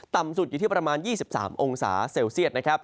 ต่ำสุดอยู่ที่ประมาณ๒๓องศาเซลเซียตนะครับ